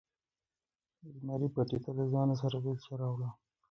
زمري پټي ته له ځانه سره بیلچه راوړه.